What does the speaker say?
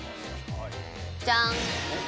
じゃん。